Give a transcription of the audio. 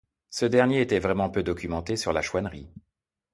Ce dernier était vraiment peu documenté sur la chouannerie.